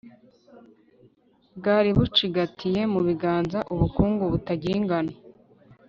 bwari bucigatiye mu biganza ubukungu butagira ingano